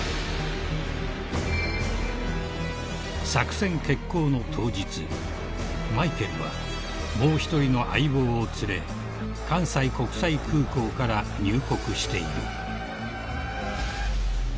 ［作戦決行の当日マイケルはもう一人の相棒を連れ関西国際空港から入国している］